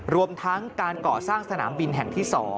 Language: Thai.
รวมทั้งการก่อสร้างสนามบินแห่งที่๒